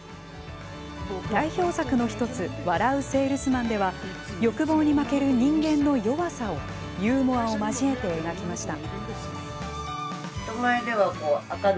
代表作のひとつ「笑ゥせぇるすまん」では欲望に負ける人間の弱さをユーモアを交えて描きました。